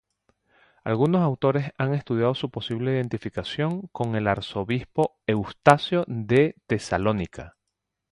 Algunos autores han estudiado su posible identificación con el arzobispo Eustacio de Tesalónica.